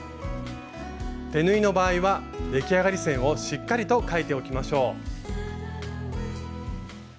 手縫いの場合は出来上がり線をしっかりと書いておきましょう。